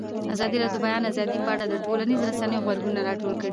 ازادي راډیو د د بیان آزادي په اړه د ټولنیزو رسنیو غبرګونونه راټول کړي.